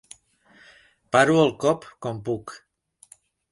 Paro el cop com puc.